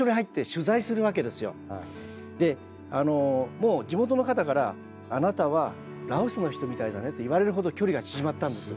もう地元の方からあなたは羅臼の人みたいだねって言われるほど距離が縮まったんです。